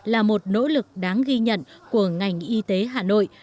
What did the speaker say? là một nỗ lực đáng ghi nhận của ngành y tế hà nội